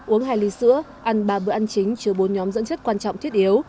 uống hai ly sữa ăn ba bữa ăn chính chứa bốn nhóm dẫn chất quan trọng thiết yếu